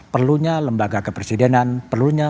perlunya lembaga kepresidenan perlunya